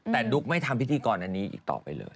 แต่ดุ๊กไม่ทำพิธีกรอันนี้อีกต่อไปเลย